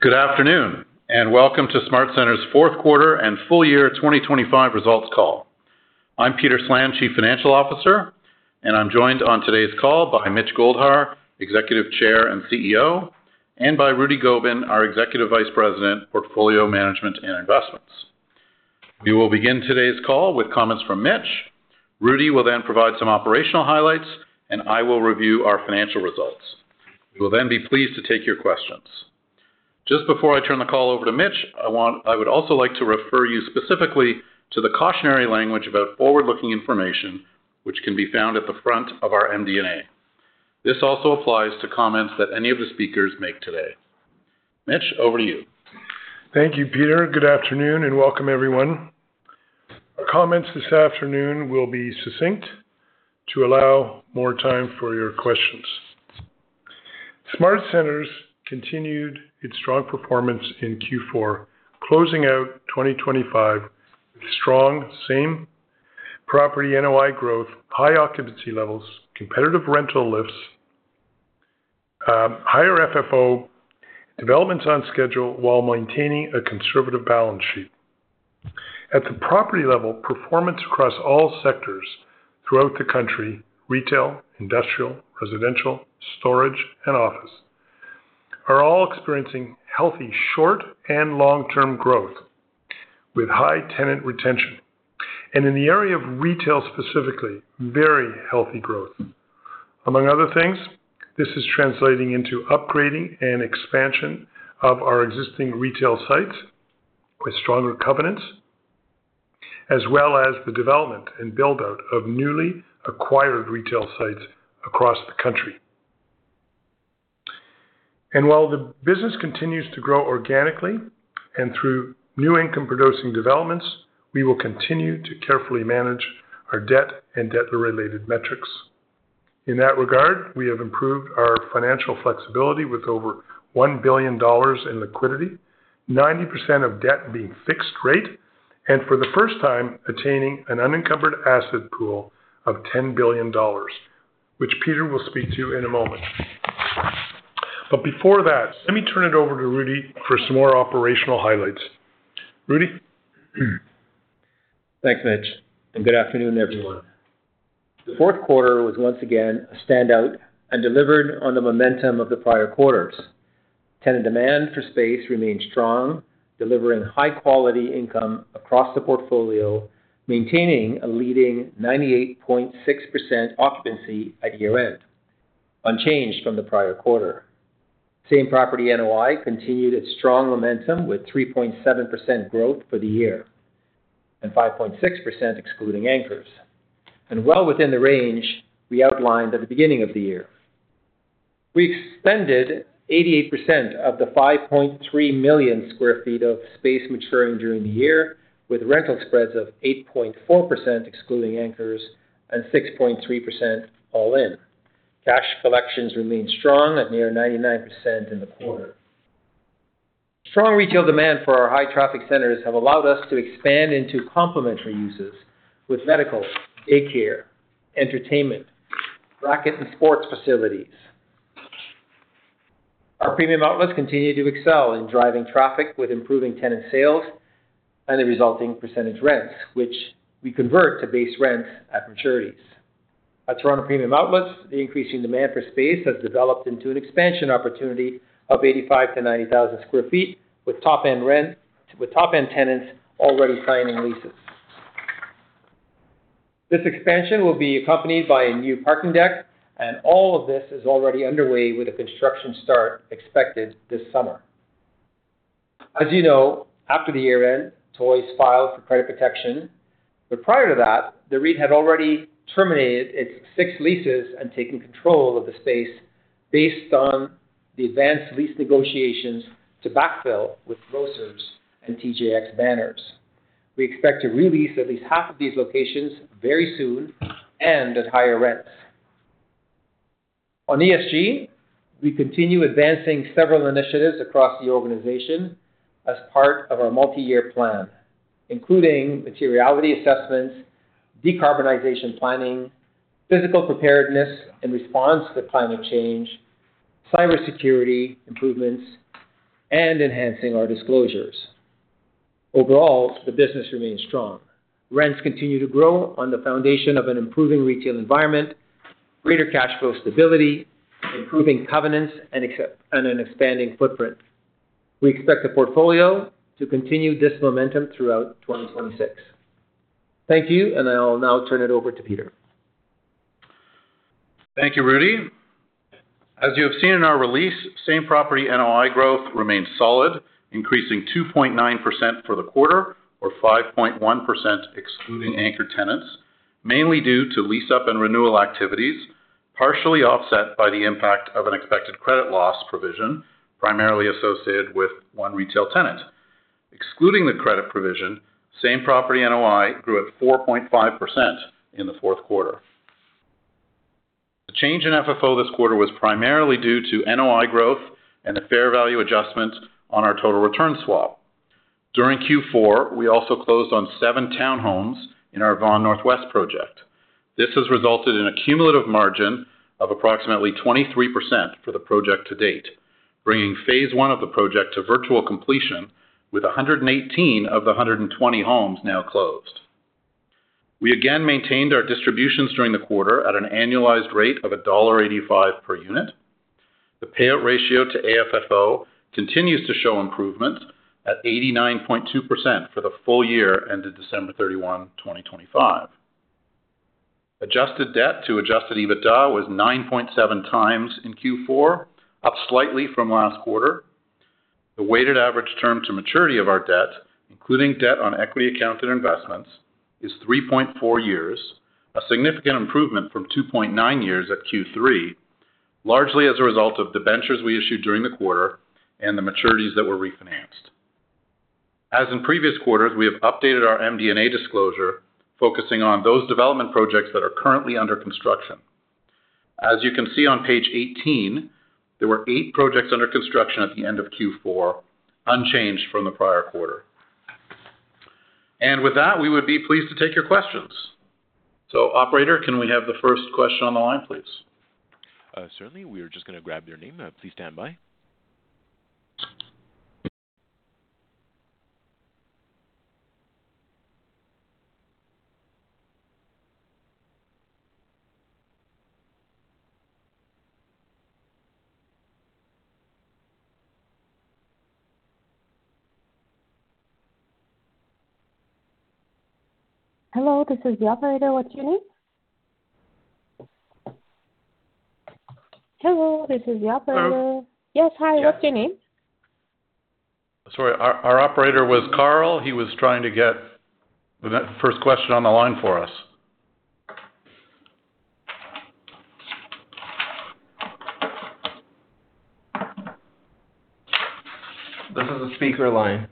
Good afternoon, and welcome to SmartCentres' fourth quarter and full year 2025 results call. I'm Peter Slan, Chief Financial Officer, and I'm joined on today's call by Mitchell Goldhar, Executive Chair and CEO, and by Rudy Gobin, our Executive Vice President, Portfolio Management and Investments. We will begin today's call with comments from Mitchell. Rudy will then provide some operational highlights, and I will review our financial results. We will then be pleased to take your questions. Just before I turn the call over to Mitchell, I would also like to refer you specifically to the cautionary language about forward-looking information, which can be found at the front of our MD&A. This also applies to comments that any of the speakers make today. Mitchell, over to you. Thank you, Peter. Good afternoon, and welcome everyone. Our comments this afternoon will be succinct to allow more time for your questions. SmartCentres continued its strong performance in Q4, closing out 2025 with strong Same Property NOI growth, high occupancy levels, competitive rental lifts, higher FFO, developments on schedule while maintaining a conservative balance sheet. At the property level, performance across all sectors throughout the country, retail, industrial, residential, storage, and office, are all experiencing healthy short and long-term growth with high tenant retention. In the area of retail, specifically, very healthy growth. Among other things, this is translating into upgrading and expansion of our existing retail sites with stronger covenants, as well as the development and build-out of newly acquired retail sites across the country. While the business continues to grow organically and through new income-producing developments, we will continue to carefully manage our debt and debt-related metrics. In that regard, we have improved our financial flexibility with over 1 billion dollars in liquidity, 90% of debt being fixed rate, and for the first time, attaining an unencumbered asset pool of 10 billion dollars, which Peter will speak to in a moment. Before that, let me turn it over to Rudy for some more operational highlights. Rudy? Thanks, Mitchell, and good afternoon, everyone. The fourth quarter was once again a standout and delivered on the momentum of the prior quarters. Tenant demand for space remained strong, delivering high-quality income across the portfolio, maintaining a leading 98.6% occupancy at year-end, unchanged from the prior quarter. Same Property NOI continued its strong momentum, with 3.7% growth for the year, and 5.6% excluding anchors, and well within the range we outlined at the beginning of the year. We extended 88% of the 5.3 million sq ft of space maturing during the year, with rental spreads of 8.4% excluding anchors, and 6.3% all in. Cash collections remained strong at near 99% in the quarter. Strong retail demand for our high-traffic centers have allowed us to expand into complementary uses with medical, daycare, entertainment, racket and sports facilities. Our premium outlets continue to excel in driving traffic, with improving tenant sales and the resulting percentage rents, which we convert to base rents at maturities. At Toronto Premium Outlets, the increasing demand for space has developed into an expansion opportunity of 85,000-90,000 sq ft, with top-end tenants already signing leases. This expansion will be accompanied by a new parking deck, and all of this is already underway with a construction start expected this summer. As you know, after the year-end, Toys filed for creditor protection. But prior to that, the REIT had already terminated its 6 leases and taken control of the space based on the advanced lease negotiations to backfill with grocers and TJX banners. We expect to re-lease at least half of these locations very soon and at higher rents. On ESG, we continue advancing several initiatives across the organization as part of our multi-year plan, including materiality assessments, decarbonization planning, physical preparedness and response to climate change, cybersecurity improvements, and enhancing our disclosures. Overall, the business remains strong. Rents continue to grow on the foundation of an improving retail environment, greater cash flow stability, improving covenants, and an expanding footprint. We expect the portfolio to continue this momentum throughout 2026. Thank you, and I will now turn it over to Peter. Thank you, Rudy. As you have seen in our release, Same Property NOI growth remained solid, increasing 2.9% for the quarter, or 5.1% excluding anchor tenants, mainly due to lease-up and renewal activities, partially offset by the impact of an expected credit loss provision, primarily associated with one retail tenant. Excluding the credit provision, Same Property NOI grew at 4.5% in the fourth quarter. The change in FFO this quarter was primarily due to NOI growth and a fair value adjustment on our Total Return Swap.... During Q4, we also closed on 7 townhomes in our Vaughan Northwest project. This has resulted in a cumulative margin of approximately 23% for the project to date, bringing phase one of the project to virtual completion, with 118 of the 120 homes now closed. We again maintained our distributions during the quarter at an annualized rate of dollar 1.85 per unit. The payout ratio to AFFO continues to show improvement at 89.2% for the full year ended December 31, 2025. Adjusted debt to adjusted EBITDA was 9.7 times in Q4, up slightly from last quarter. The weighted average term to maturity of our debt, including debt on equity accounted investments, is 3.4 years, a significant improvement from 2.9 years at Q3, largely as a result of the ventures we issued during the quarter and the maturities that were refinanced. As in previous quarters, we have updated our MD&A disclosure, focusing on those development projects that are currently under construction. As you can see on page 18, there were eight projects under construction at the end of Q4, unchanged from the prior quarter. And with that, we would be pleased to take your questions. So Operator, can we have the first question on the line, please? Certainly. We are just going to grab your name. Please stand by. Hello, this is the operator. What's your name? Hello, this is the operator. Hello. Yes, hi. What's your name? Sorry. Our operator was Carl. He was trying to get the first question on the line for us. This is a speaker line.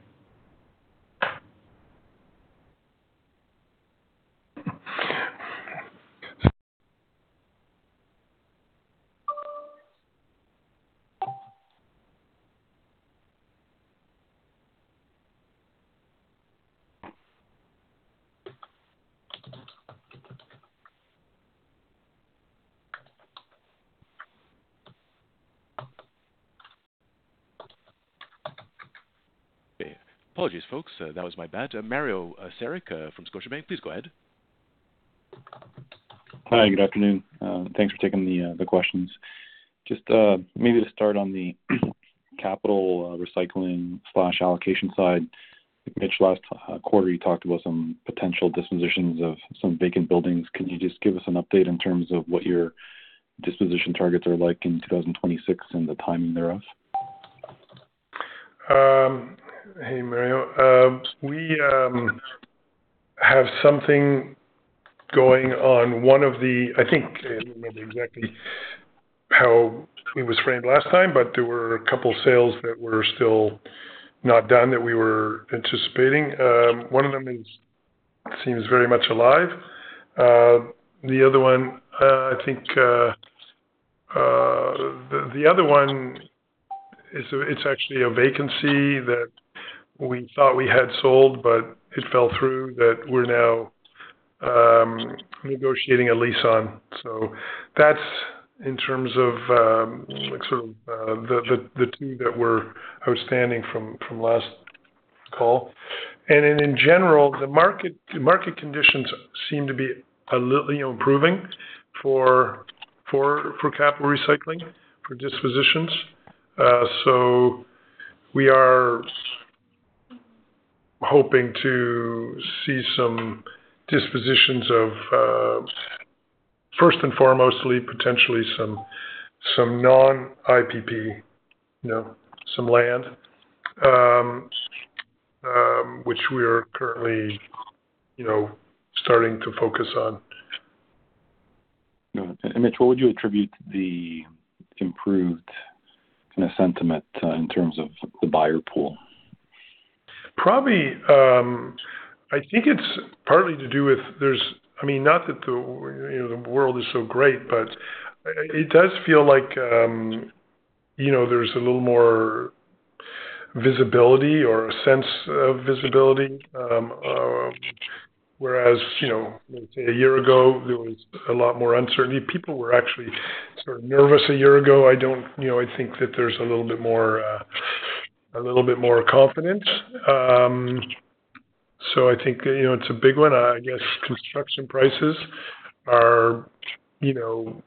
Apologies, folks. That was my bad. Mario Saric from Scotiabank, please go ahead. Hi, good afternoon. Thanks for taking the questions. Just maybe to start on the capital recycling/allocation side. Mitchell, last quarter, you talked about some potential dispositions of some vacant buildings. Can you just give us an update in terms of what your disposition targets are like in 2026 and the timing thereof? Hey, Mario. We have something going on. One of the... I think, I don't remember exactly how it was framed last time, but there were a couple sales that were still not done that we were anticipating. One of them seems very much alive. The other one is. It's actually a vacancy that we thought we had sold, but it fell through, that we're now negotiating a lease on. So that's in terms of sort of the two that were outstanding from last call. And then in general, the market conditions seem to be a little, you know, improving for capital recycling, for dispositions. So we are hoping to see some dispositions of, first and foremostly, potentially some non-IPP, you know, some land, which we are currently, you know, starting to focus on. Mitchell, what would you attribute the improved kind of sentiment in terms of the buyer pool? Probably, I think it's partly to do with there's. I mean, not that the, you know, the world is so great, but it does feel like, you know, there's a little more visibility or a sense of visibility. Whereas, you know, let's say a year ago, there was a lot more uncertainty. People were actually sort of nervous a year ago. I don't, you know, I think that there's a little bit more, a little bit more confidence. So I think, you know, it's a big one. I guess construction prices are, you know,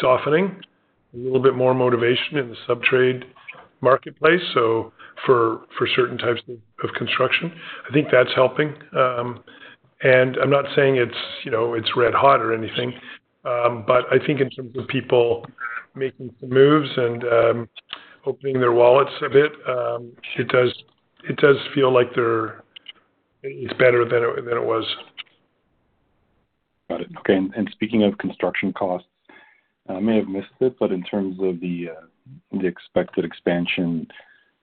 softening, a little bit more motivation in the subtrade marketplace, so for certain types of construction. I think that's helping. And I'm not saying it's, you know, it's red hot or anything, but I think in terms of people making some moves and opening their wallets a bit, it does, it does feel like they're, it's better than it, than it was. Got it. Okay, and, and speaking of construction costs, I may have missed it, but in terms of the, the expected expansion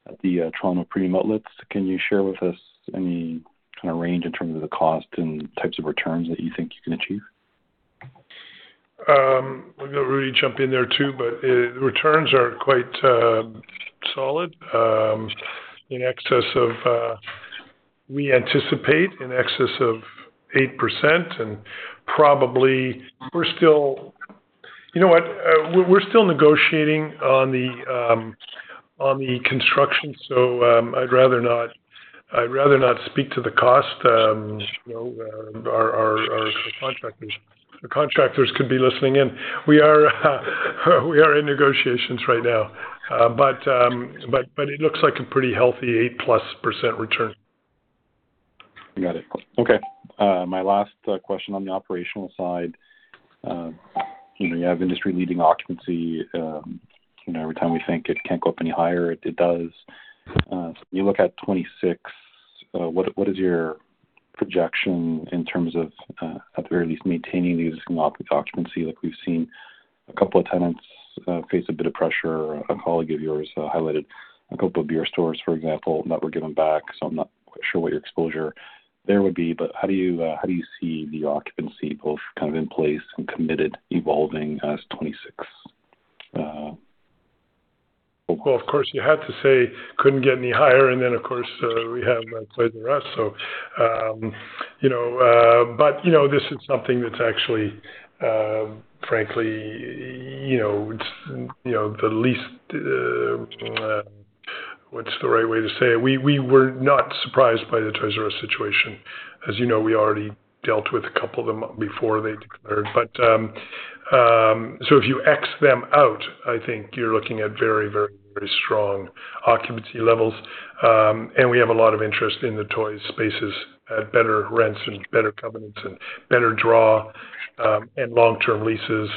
at the, Toronto Premium Outlets, can you share with us any kind of range in terms of the cost and types of returns that you think you can achieve? ... We'll let Rudy jump in there, too, but the returns are quite solid in excess of—we anticipate in excess of 8%, and probably we're still—You know what? We're still negotiating on the construction, so I'd rather not speak to the cost. You know, our contractors, the contractors could be listening in. We are in negotiations right now. But it looks like a pretty healthy 8%+ return. Got it. Okay. My last question on the operational side. You know, you have industry-leading occupancy. You know, every time we think it can't go up any higher, it does. You look at 2026, what is your projection in terms of at the very least, maintaining the existing occupancy? Like, we've seen a couple of tenants face a bit of pressure. A colleague of yours highlighted a couple of beer stores, for example, that were given back, so I'm not quite sure what your exposure there would be. But how do you see the occupancy, both kind of in place and committed, evolving as 2026? Well, of course, you have to say couldn't get any higher, and then, of course, we have Toys "R" Us. So, you know, but, you know, this is something that's actually, frankly, you know, it's, you know, the least... What's the right way to say? We were not surprised by the Toys "R" Us situation. As you know, we already dealt with a couple of them before they declared. But, so if you X them out, I think you're looking at very, very, very strong occupancy levels. And we have a lot of interest in the toy spaces at better rents and better covenants and better draw, and long-term leases,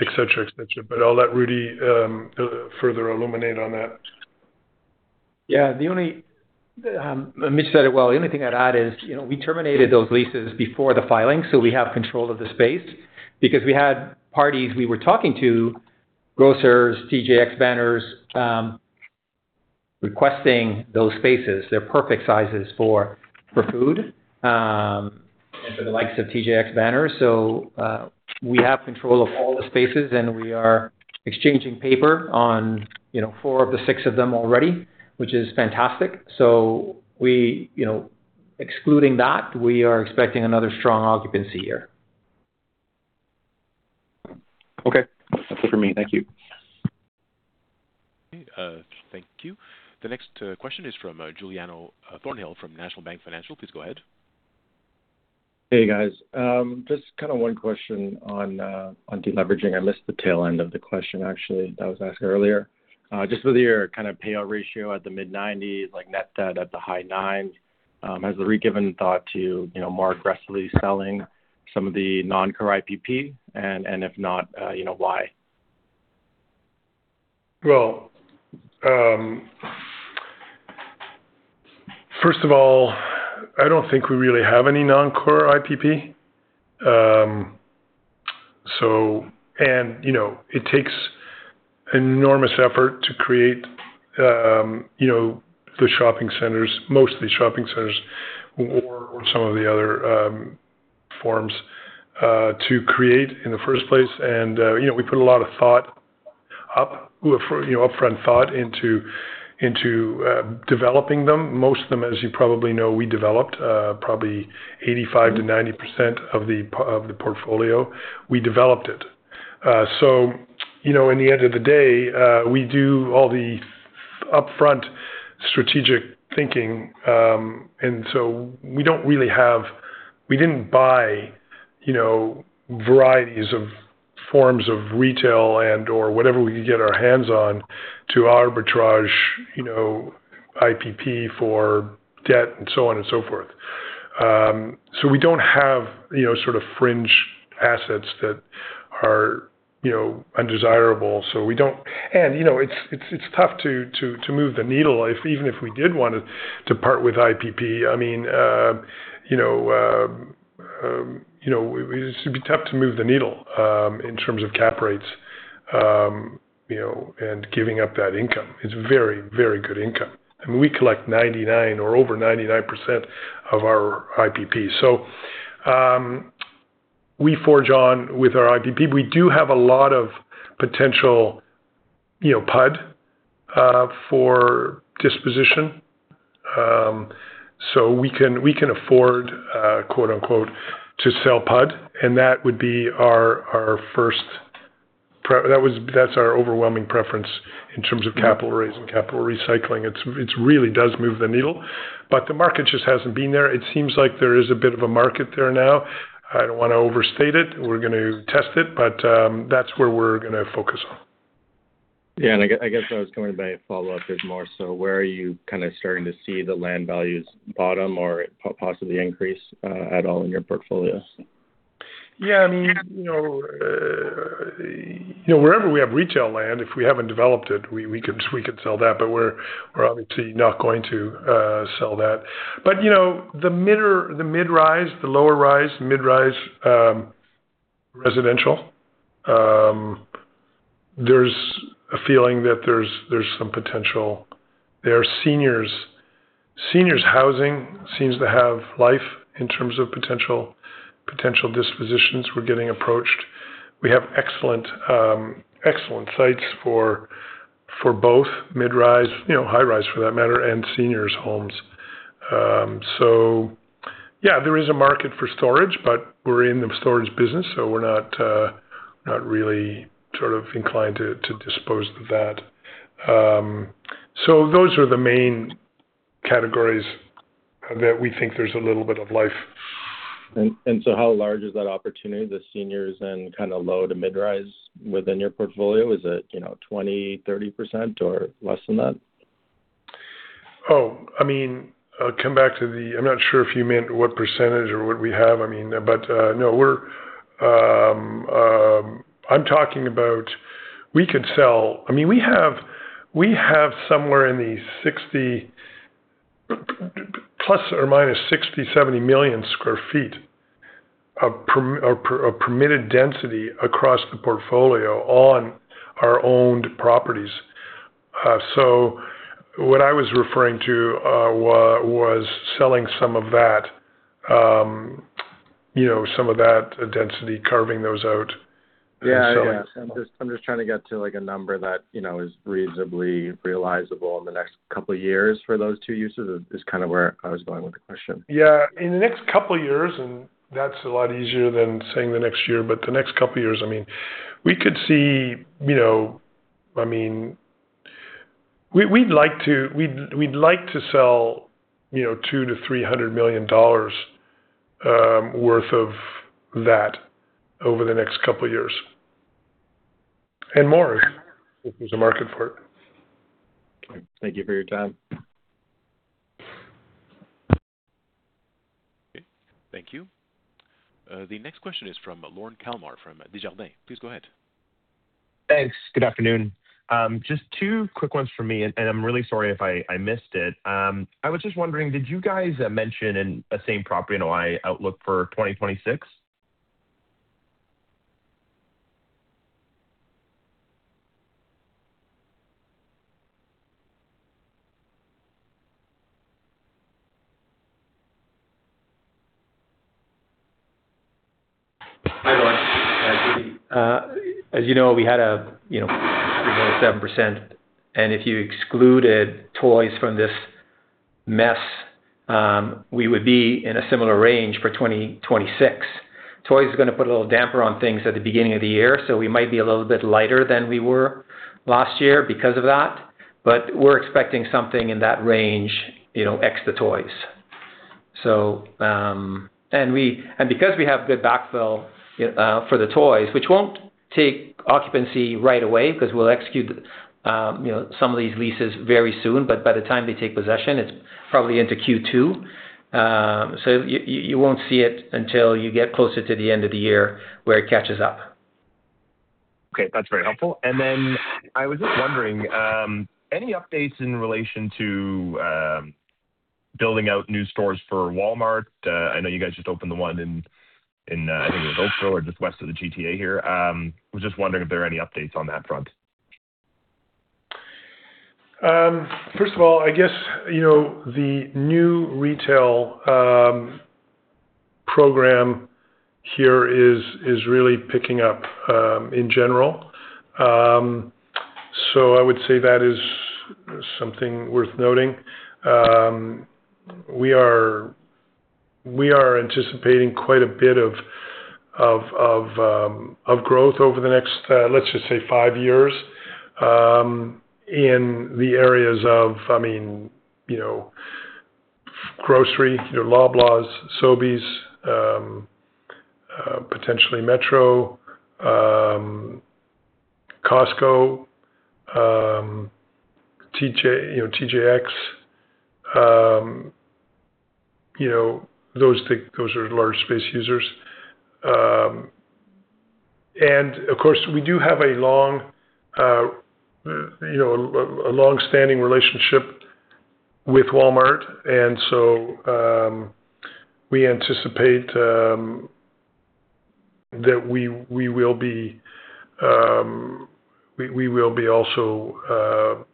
et cetera, et cetera. But I'll let Rudy further illuminate on that. Yeah, the only, Mitchell said it well. The only thing I'd add is, you know, we terminated those leases before the filing, so we have control of the space. Because we had parties we were talking to, grocers, TJX banners, requesting those spaces. They're perfect sizes for food, and for the likes of TJX banner. So, we have control of all the spaces, and we are exchanging paper on, you know, four of the six of them already, which is fantastic. So we, you know, excluding that, we are expecting another strong occupancy here. Okay. That's it for me. Thank you. Okay, thank you. The next question is from Giuliano Thornhill from National Bank Financial. Please go ahead. Hey, guys. Just kind of one question on deleveraging. I missed the tail end of the question actually that was asked earlier. Just with your kind of payout ratio at the mid-nineties, like net debt at the high nines, has the given thought to, you know, more aggressively selling some of the non-core IPP? And, and if not, you know, why? Well, first of all, I don't think we really have any non-core IPP. So, you know, it takes enormous effort to create, you know, good shopping centers, most of these shopping centers or, or some of the other forms to create in the first place. You know, we put a lot of thought up, you know, upfront thought into, into developing them. Most of them, as you probably know, we developed probably 85%-90% of the portfolio. We developed it. So, you know, in the end of the day, we do all the upfront strategic thinking, and so we don't really have. We didn't buy, you know, varieties of forms of retail and/or whatever we could get our hands on to arbitrage, you know, IPP for debt and so on and so forth. So we don't have, you know, sort of fringe assets that are, you know, undesirable, so we don't. And, you know, it's tough to move the needle. If we did want to part with IPP, I mean, you know, it would be tough to move the needle, in terms of cap rates, you know, and giving up that income. It's very, very good income. I mean, we collect 99% or over 99% of our IPP. So, we forge on with our IPP. We do have a lot of potential, you know, PUD, for disposition. So we can, we can afford, quote-unquote, "to sell PUD," and that would be our, our first that's our overwhelming preference in terms of capital raising, capital recycling. It really does move the needle, but the market just hasn't been there. It seems like there is a bit of a market there now. I don't want to overstate it. We're going to test it, but, that's where we're gonna focus on. Yeah, and I guess I was coming by a follow-up. It's more, so where are you kind of starting to see the land values bottom or possibly increase at all in your portfolios? Yeah, I mean, you know, wherever we have retail land, if we haven't developed it, we could sell that, but we're obviously not going to sell that. But, you know, the mid-rise, the low-rise, mid-rise residential... There's a feeling that there's some potential. There are seniors. Seniors housing seems to have life in terms of potential dispositions. We're getting approached. We have excellent sites for both mid-rise, you know, high-rise for that matter, and seniors homes. So yeah, there is a market for storage, but we're in the storage business, so we're not really sort of inclined to dispose of that. So those are the main categories that we think there's a little bit of life. So how large is that opportunity, the seniors and kind of low to mid-rise within your portfolio? Is it, you know, 20, 30% or less than that? I mean, I'll come back to the-- I'm not sure if you meant what percentage or what we have. I mean, but, no, we're, I'm talking about we could sell... I mean, we have, we have somewhere in the 60, plus or minus 60-70 million sq ft of permitted density across the portfolio on our owned properties. So what I was referring to was selling some of that, you know, some of that density, carving those out. Yeah. Yeah. I'm just, I'm just trying to get to, like, a number that, you know, is reasonably realizable in the next couple of years for those two uses, is, is kind of where I was going with the question. Yeah, in the next couple of years, and that's a lot easier than saying the next year, but the next couple of years, I mean, we could see, you know. I mean, we'd like to sell, you know, 200 million-300 million dollars worth of that over the next couple of years. And more, if there's a market for it. Okay. Thank you for your time. Okay, thank you. The next question is from Lorne Kalmar, from Desjardins. Please go ahead. Thanks. Good afternoon. Just two quick ones from me, and I'm really sorry if I missed it. I was just wondering, did you guys mention a same-property NOI outlook for 2026? Hi, Lauren. As you know, we had, you know, 7%, and if you excluded toys from this mess, we would be in a similar range for 2026. Toys is gonna put a little damper on things at the beginning of the year, so we might be a little bit lighter than we were last year because of that, but we're expecting something in that range, you know, extra toys. And because we have good backfill for the toys, which won't take occupancy right away, because we'll execute, you know, some of these leases very soon, but by the time they take possession, it's probably into Q2. So you won't see it until you get closer to the end of the year, where it catches up. Okay, that's very helpful. And then I was just wondering, any updates in relation to, building out new stores for Walmart? I know you guys just opened the one in, I think it was Oakville or just west of the GTA here. Was just wondering if there are any updates on that front? First of all, I guess, you know, the new retail program here is really picking up in general. So I would say that is something worth noting. We are anticipating quite a bit of growth over the next, let's just say, five years, in the areas of, I mean, you know, grocery, you know, Loblaws, Sobeys, potentially Metro, Costco, TJ, you know, TJX. You know, those are large space users. And of course, we do have a long, you know, a long-standing relationship with Walmart, and so, we anticipate that we will be also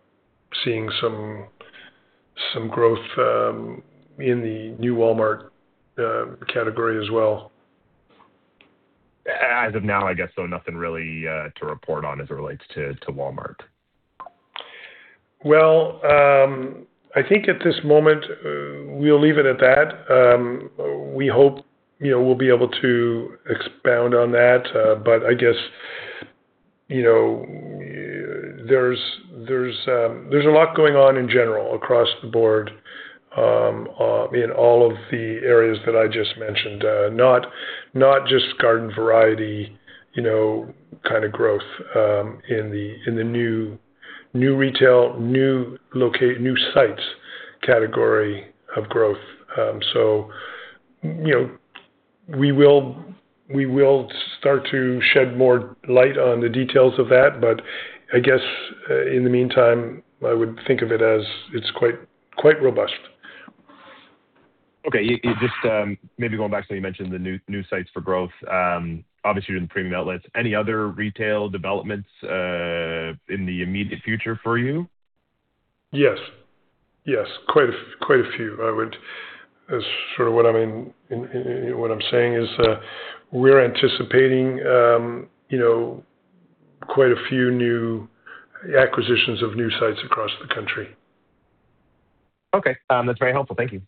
seeing some growth in the new Walmart category as well. As of now, I guess, so nothing really to report on as it relates to Walmart? Well, I think at this moment, we'll leave it at that. We hope, you know, we'll be able to expound on that, but I guess, you know, there's a lot going on in general across the board, in all of the areas that I just mentioned. Not just garden variety, you know, kind of growth, in the new retail, new sites category of growth. So, you know, we will start to shed more light on the details of that, but I guess in the meantime, I would think of it as it's quite robust. ... Okay, just maybe going back to, you mentioned the new sites for growth. Obviously, you're in premium outlets. Any other retail developments in the immediate future for you? Yes. Yes, quite a few. I would... That's sort of what I mean, in what I'm saying is, we're anticipating, you know, quite a few new acquisitions of new sites across the country. Okay, that's very helpful. Thank you.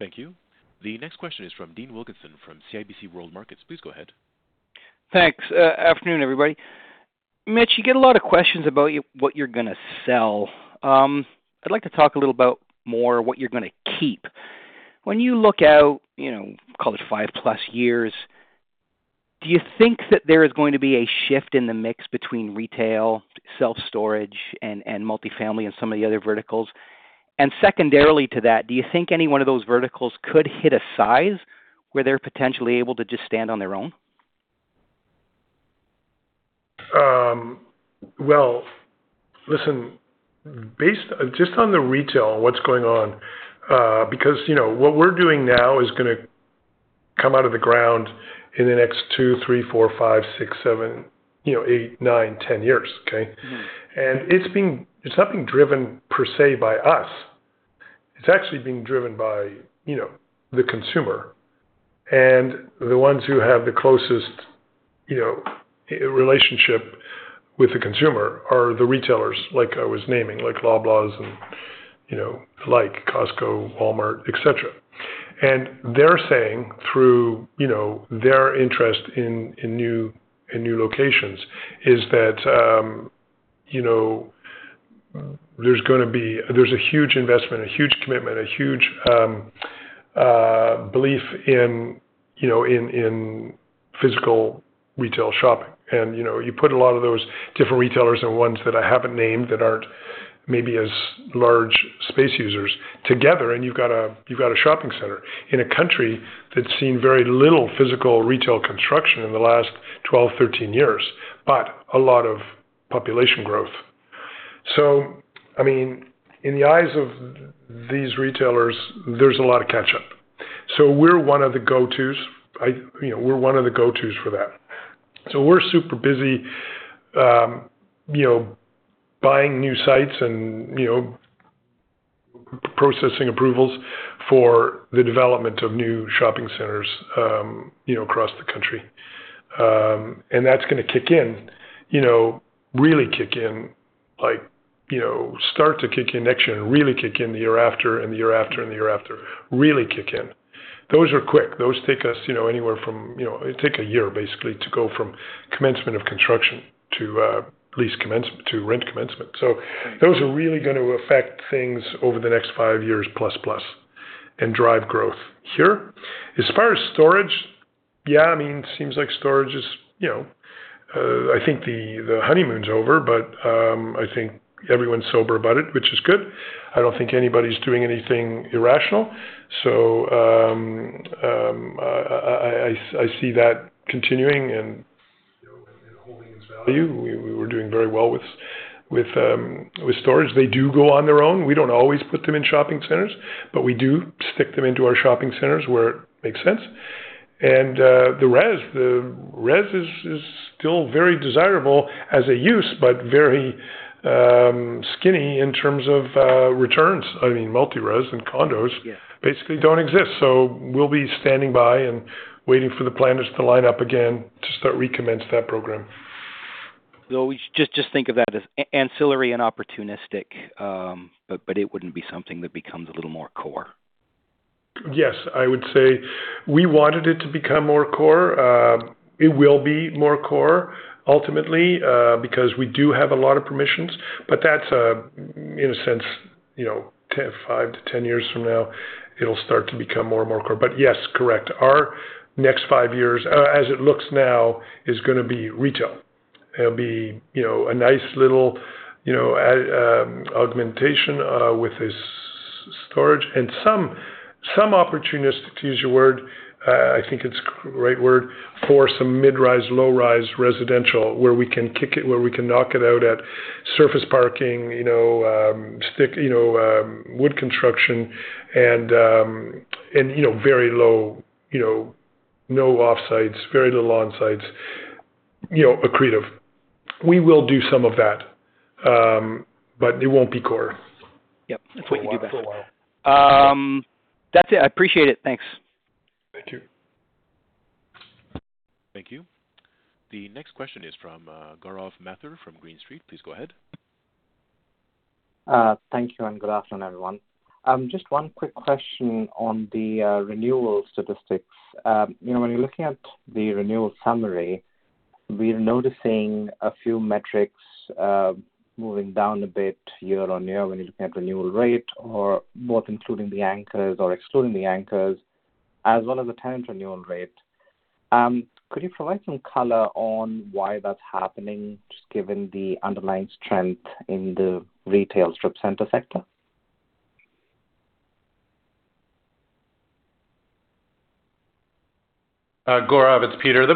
Thank you. The next question is from Dean Wilkinson from CIBC World Markets. Please go ahead. Thanks. Afternoon, everybody. Mitchell, you get a lot of questions about what you're gonna sell. I'd like to talk a little about more what you're gonna keep. When you look out, you know, call it five-plus years, do you think that there is going to be a shift in the mix between retail, self-storage, and multifamily and some of the other verticals? And secondarily to that, do you think any one of those verticals could hit a size where they're potentially able to just stand on their own? Well, listen, based just on the retail, what's going on, because, you know, what we're doing now is gonna come out of the ground in the next 2, 3, 4, 5, 6, 7, you know, 8, 9, 10 years, okay? Mm-hmm. It's not being driven, per se, by us. It's actually being driven by, you know, the consumer. The ones who have the closest, you know, relationship with the consumer are the retailers, like I was naming, like Loblaws and, you know, like Costco, Walmart, et cetera. They're saying through, you know, their interest in new locations is that, you know, there's gonna be. There's a huge investment, a huge commitment, a huge belief in, you know, in physical retail shopping. You know, you put a lot of those different retailers and ones that I haven't named that aren't maybe as large space users together, and you've got a shopping center in a country that's seen very little physical retail construction in the last 12, 13 years, but a lot of population growth. So, I mean, in the eyes of these retailers, there's a lot of catch up. So we're one of the go-tos. You know, we're one of the go-tos for that. So we're super busy, you know, buying new sites and, you know, processing approvals for the development of new shopping centers, you know, across the country. And that's gonna kick in, you know, really kick in, like, you know, start to kick in next year and really kick in the year after, and the year after, and the year after. Really kick in. Those are quick. Those take us, you know, anywhere from, you know, it take a year, basically, to go from commencement of construction to, lease commencement, to rent commencement. So those are really gonna affect things over the next five years plus, plus, and drive growth here. As far as storage, yeah, I mean, seems like storage is, you know, I think the, the honeymoon's over, but, I think everyone's sober about it, which is good. I don't think anybody's doing anything irrational. So, I see that continuing and, you know, and, and holding its value. We, we were doing very well with, with, with storage. They do go on their own. We don't always put them in shopping centers, but we do stick them into our shopping centers where it makes sense. And, the res, the res is, is still very desirable as a use, but very, skinny in terms of, returns. I mean, multi-res and condos- Yeah. Basically don't exist. So we'll be standing by and waiting for the planners to line up again to start recommence that program. So we just think of that as ancillary and opportunistic, but it wouldn't be something that becomes a little more core? Yes, I would say we wanted it to become more core. It will be more core ultimately, because we do have a lot of permissions, but that's, in a sense, you know, 5-10 years from now, it'll start to become more and more core. But yes, correct. Our next 5 years, as it looks now, is gonna be retail. It'll be, you know, a nice little, you know, augmentation with this storage and some, some opportunistic, to use your word, I think it's great word, for some mid-rise, low-rise residential, where we can kick it, where we can knock it out at surface parking, you know, stick, you know, wood construction and, and, you know, very low, you know, no offsites, very little on-sites, you know, accretive. We will do some of that, but it won't be core- Yep, that's what you do. For a while. That's it. I appreciate it. Thanks. Thank you. Thank you. The next question is from Gaurav Mathur from Green Street. Please go ahead. Thank you, and good afternoon, everyone. Just one quick question on the renewal statistics. You know, when you're looking at the renewal summary, we're noticing a few metrics moving down a bit year-on-year when you're looking at renewal rate or both including the anchors or excluding the anchors, as well as the tenant renewal rate. Could you provide some color on why that's happening, just given the underlying strength in the retail strip center sector?... Gaurav, it's Peter. The,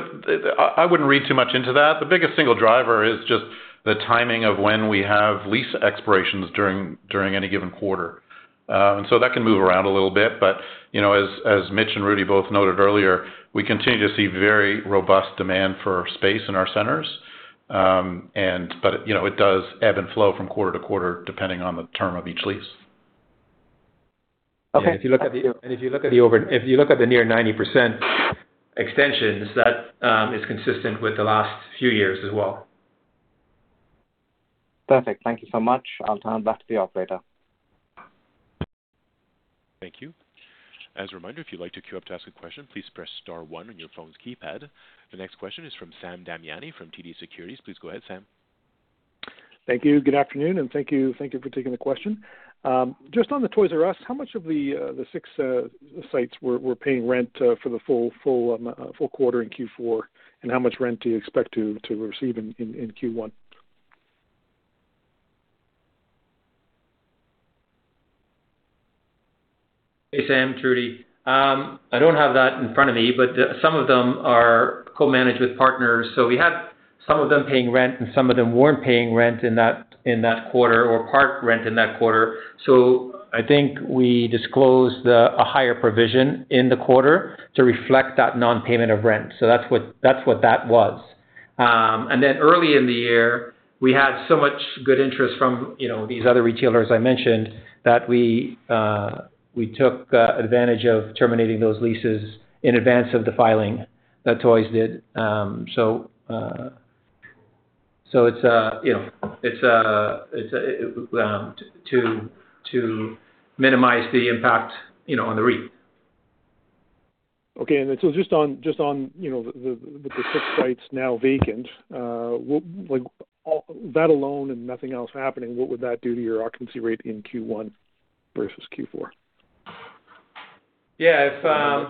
I wouldn't read too much into that. The biggest single driver is just the timing of when we have lease expirations during any given quarter. And so that can move around a little bit. But, you know, as Mitchell and Rudy both noted earlier, we continue to see very robust demand for space in our centers. And but, you know, it does ebb and flow from quarter to quarter, depending on the term of each lease. Okay. If you look at the near 90% extensions, that is consistent with the last few years as well. Perfect. Thank you so much. I'll turn it back to the operator. Thank you. As a reminder, if you'd like to queue up to ask a question, please press star one on your phone's keypad. The next question is from Sam Damiani from TD Securities. Please go ahead, Sam. Thank you. Good afternoon, and thank you, thank you for taking the question. Just on the Toys "R" Us, how much of the 6 sites were paying rent for the full quarter in Q4? And how much rent do you expect to receive in Q1? Hey, Sam, Rudy. I don't have that in front of me, but some of them are co-managed with partners. So we had some of them paying rent, and some of them weren't paying rent in that, in that quarter, or part rent in that quarter. So I think we disclosed a higher provision in the quarter to reflect that non-payment of rent. So that's what, that's what that was. And then early in the year, we had so much good interest from, you know, these other retailers I mentioned, that we took advantage of terminating those leases in advance of the filing that Toys did. So it's a, you know, to minimize the impact, you know, on the REIT. Okay. And so just on, you know, the six sites now vacant, like, that alone and nothing else happening, what would that do to your occupancy rate in Q1 versus Q4? Yeah, if,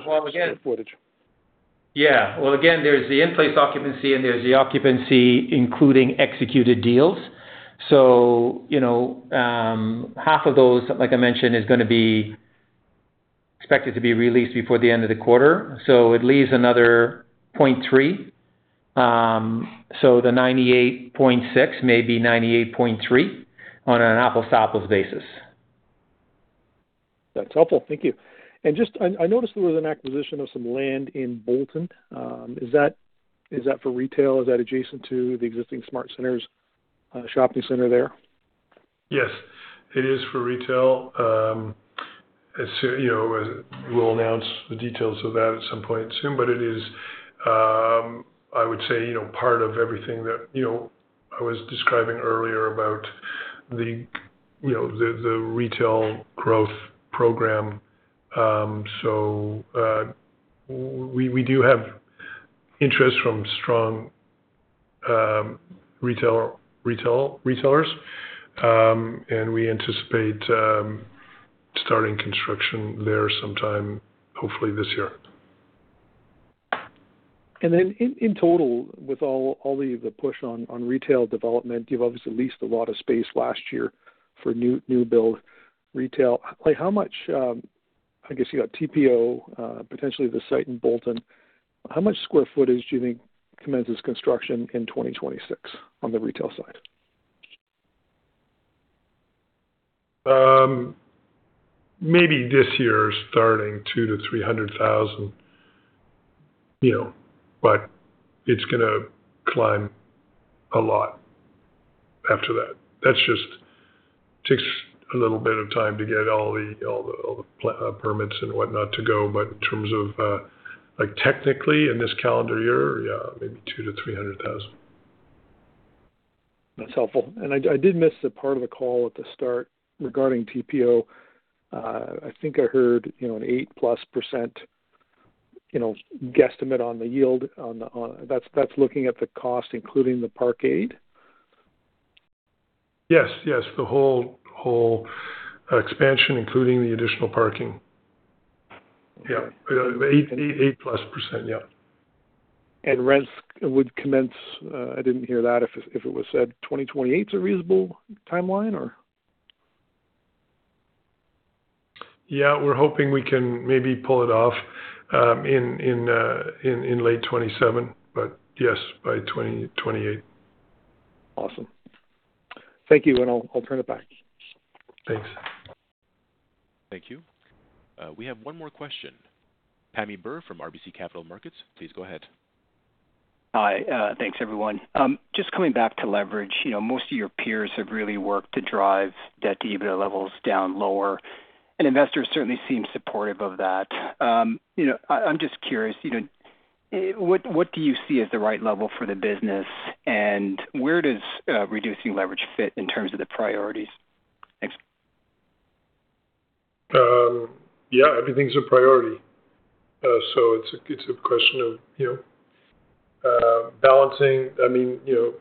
well, again- Square footage. Yeah. Well, again, there's the in-place occupancy, and there's the occupancy, including executed deals. So, you know, half of those, like I mentioned, is gonna be expected to be re-leased before the end of the quarter, so it leaves another 0.3%. So the 98.6% may be 98.3% on an apples-to-apples basis. That's helpful. Thank you. And just, I noticed there was an acquisition of some land in Bolton. Is that for retail? Is that adjacent to the existing SmartCentres shopping center there? Yes, it is for retail. As soon, you know, we'll announce the details of that at some point soon. But it is, I would say, you know, part of everything that, you know, I was describing earlier about the, you know, the, the retail growth program. So, we do have interest from strong, retail retailers. And we anticipate starting construction there sometime, hopefully this year. And then in total, with all the push on retail development, you've obviously leased a lot of space last year for new build retail. Like, how much—I guess you got TPO, potentially the site in Bolton. How much square footage do you think commences construction in 2026 on the retail side? Maybe this year, starting 200,000-300,000, you know, but it's gonna climb a lot after that. That's just takes a little bit of time to get all the permits and whatnot to go. But in terms of, like, technically in this calendar year, yeah, maybe 200,000-300,000. That's helpful. I did, I did miss the part of the call at the start regarding TPO. I think I heard, you know, an 8%+, you know, guesstimate on the yield on the, on the... That's, that's looking at the cost, including the parkade? Yes, yes, the whole, whole, expansion, including the additional parking. Yeah, 8, 8, 8+%, yeah. Rents would commence, I didn't hear that, if it was said. 2028's a reasonable timeline, or? Yeah, we're hoping we can maybe pull it off in late 2027, but yes, by 2028. Awesome. Thank you, and I'll turn it back. Thanks. Thank you. We have one more question. Pammi Bir from RBC Capital Markets, please go ahead. Hi, thanks, everyone. Just coming back to leverage, you know, most of your peers have really worked to drive debt-to-EBITDA levels down lower, and investors certainly seem supportive of that. You know, I'm just curious, you know, what do you see as the right level for the business? And where does reducing leverage fit in terms of the priorities? Thanks. Yeah, everything's a priority. So it's a question of, you know, balancing. I mean, you know,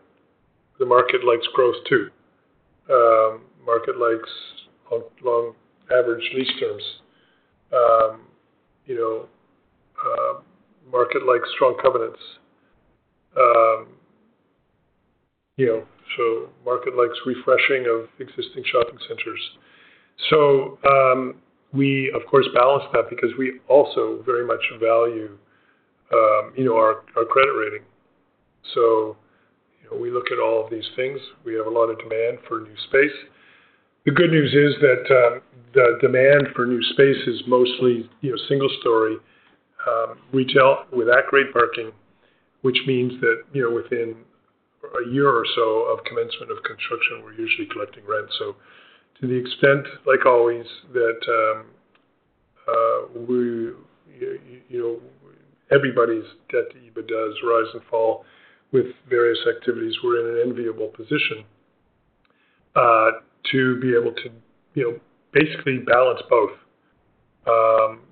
the market likes growth, too. Market likes long, long average lease terms. You know, market likes strong covenants. Yeah, so market likes refreshing of existing shopping centers. So, we of course balance that because we also very much value, you know, our credit rating. So, we look at all of these things. We have a lot of demand for new space. The good news is that the demand for new space is mostly, you know, single story retail, with at-grade parking, which means that, you know, within a year or so of commencement of construction, we're usually collecting rent. So to the extent, like always, that we, you know, everybody's debt to EBITDA, rise and fall with various activities. We're in an enviable position to be able to, you know, basically balance both.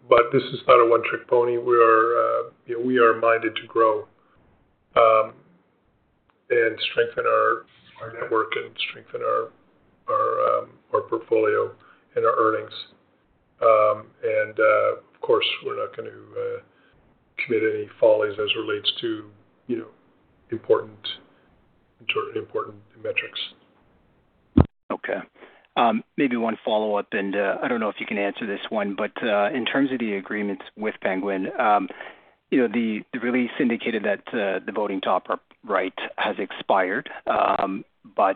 But this is not a one-trick pony. We are, you know, we are minded to grow and strengthen our network and strengthen our portfolio and our earnings. And, of course, we're not going to commit any follies as relates to, you know, important metrics. Okay, maybe one follow-up, and, I don't know if you can answer this one, but, in terms of the agreements with Penguin, you know, the, the release indicated that, the voting top-up right, has expired. But,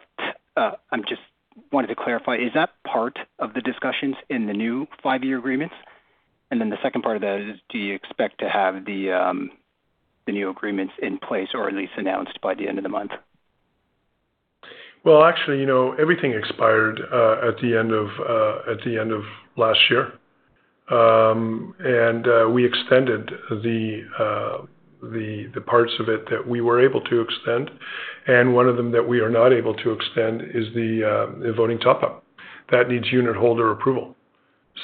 I'm just wanted to clarify: Is that part of the discussions in the new five-year agreements? And then the second part of that is, do you expect to have the, the new agreements in place or at least announced by the end of the month? Well, actually, you know, everything expired at the end of last year. And we extended the parts of it that we were able to extend, and one of them that we are not able to extend is the voting top-up. That needs unitholder approval.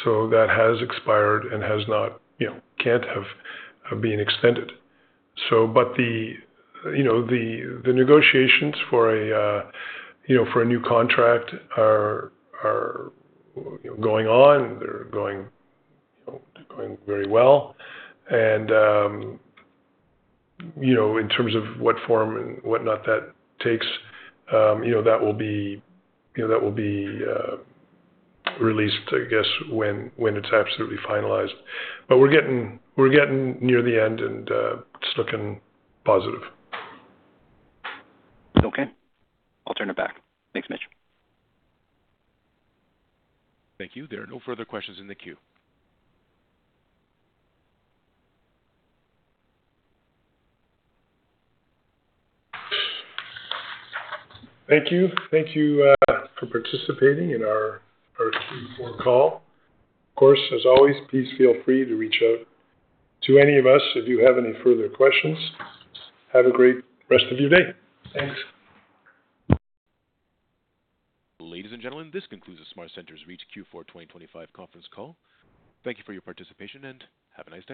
So that has expired and has not, you know, been extended. So, but the, you know, the negotiations for a new contract are going on. They're going very well. And, you know, in terms of what form and whatnot that takes, you know, that will be released, I guess, when it's absolutely finalized. But we're getting near the end, and it's looking positive. Okay. I'll turn it back. Thanks, Mitchell. Thank you. There are no further questions in the queue. Thank you. Thank you for participating in our Q4 call. Of course, as always, please feel free to reach out to any of us if you have any further questions. Have a great rest of your day. Thanks. Ladies and gentlemen, this concludes the SmartCentres REIT's Q4 2025 conference call. Thank you for your participation, and have a nice day.